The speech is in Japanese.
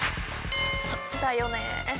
だよね。